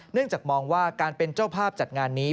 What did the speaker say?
เนื่องจากมองว่าการเป็นเจ้าภาพจัดงานนี้